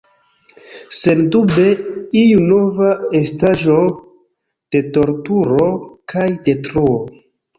Sendube iu nova estaĵo de torturo kaj detruo.